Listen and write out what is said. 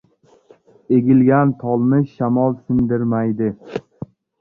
• Egilgan tolni shamol sindirmaydi.